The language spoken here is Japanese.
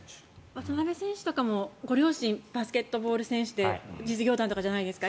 渡邊選手とかもご両親バスケットボール選手で実業団とかじゃないですか。